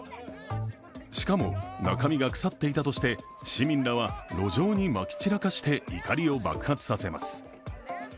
しかも、中身が腐っていたとして市民らは路上にまき散らかして怒りを爆発させます。